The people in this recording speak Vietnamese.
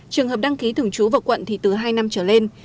trường hợp đăng ký thường trú vào quận thì từ hai năm trở lên